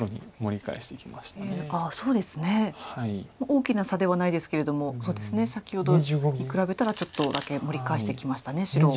大きな差ではないですけれども先ほどに比べたらちょっとだけ盛り返してきましたね白。